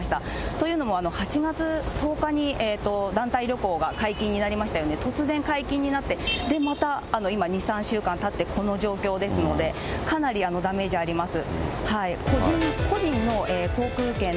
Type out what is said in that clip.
というのも、８月１０日に団体旅行が解禁になりましたよね、突然解禁になって、で、また今、２、３週間たってこの状況ですので、かなりダメージあります。